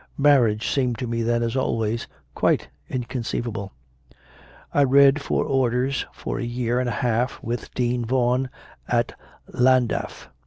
Marriage seemed to me then, as always, quite inconceivable. 7. I read for Orders for a year and a half with Dean Vaughan at LlandafT.